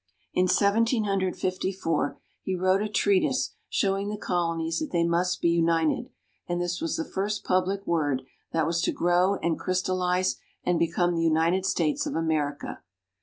In Seventeen Hundred Fifty four, he wrote a treatise showing the Colonies that they must be united, and this was the first public word that was to grow and crystallize and become the United States of America.